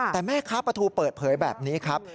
แต่แม่ค้าปลาทูเปิดเผยแบบนี้ครับ